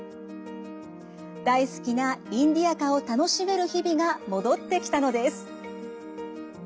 大好きなインディアカを楽しめる日々が戻ってきたのです。